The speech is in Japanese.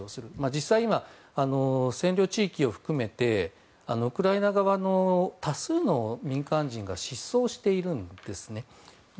実際今、占領地域を含めてウクライナ側の多数の民間人が失踪しているんですね。